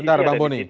bentar bang boni